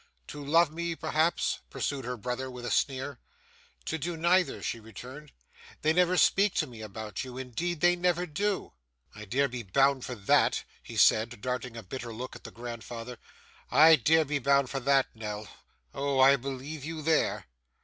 'To love me, perhaps?' pursued her brother with a sneer. 'To do neither,' she returned. 'They never speak to me about you. Indeed they never do.' 'I dare be bound for that,' he said, darting a bitter look at the grandfather. 'I dare be bound for that Nell. Oh! I believe you there!